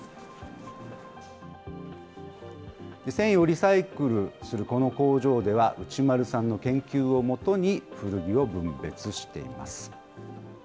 繊維をリサイクルするこの工場では、内丸さんの研究をもとに、古着を分別しています。